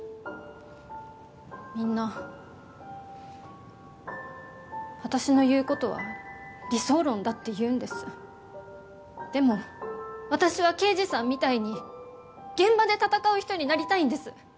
みんな私の言うことは理想論だって言うんですでも私は刑事さんみたいに現場で戦う人になりたいんです！